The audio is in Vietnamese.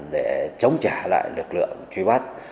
để chống trả lại lực lượng truy bắt